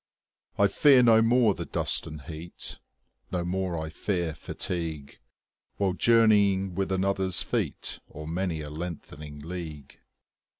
I fear no more the dust and heat, 25 No more I fear fatigue, While journeying with another's feet O'er many a lengthening league.